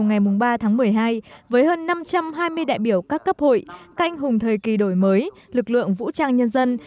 ngày ba tháng một mươi hai với hơn năm trăm hai mươi đại biểu các cấp hội canh hùng thời kỳ đổi mới lực lượng vũ trang nhân dân